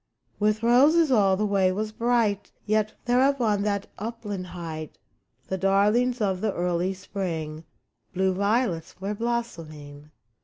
With roses all the way was bright ; Yet there upon that upland height The darlings of the early spring — Blue violets — were blossoming.